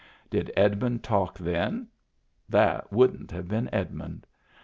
Did Edmund talk then ? That wouldn't have been Edmund.